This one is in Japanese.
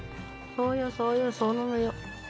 そうよそうよそうなのよ。